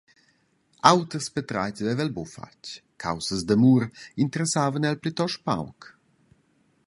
Auters patratgs veva el buca fatg, caussas d’amur interessavan el plitost pauc.